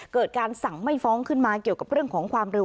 เกิดการสั่งไม่ฟ้องขึ้นมาเกี่ยวกับเรื่องของความเร็ว